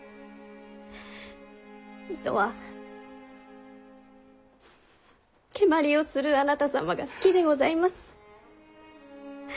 糸は蹴鞠をするあなた様が好きでございます。